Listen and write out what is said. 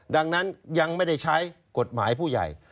ดังนั้นยังไม่ได้ใช้กฎหมายผู้ใหญ่